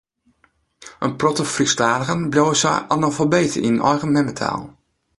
In protte Frysktaligen bliuwe sa analfabeet yn eigen memmetaal.